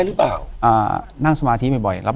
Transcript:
อยู่ที่แม่ศรีวิรัยิลครับ